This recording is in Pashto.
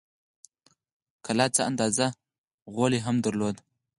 کلا څه اندازه غولی هم درلود.